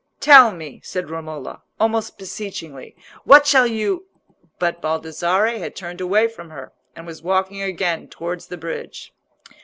"Tell me," said Romola, almost beseechingly. "What shall you—" But Baldassarre had turned away from her, and was walking again towards the bridge.